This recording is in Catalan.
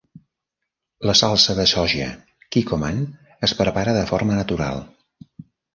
La salsa de soja kikkoman es prepara de forma natural.